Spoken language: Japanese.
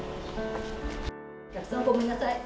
お客さん、ごめんなさい。